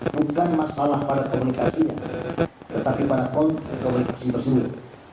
bukan masalah pada komunikasinya tetapi pada komunikasi tersebut